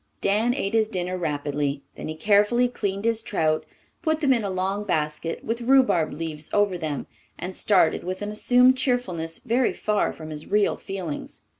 Dan ate his dinner rapidly; then he carefully cleaned his trout, put them in a long basket, with rhubarb leaves over them, and started with an assumed cheerfulness very far from his real feelings.